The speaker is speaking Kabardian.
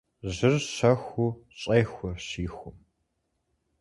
Жьыр щэхуу щӏехур щихум.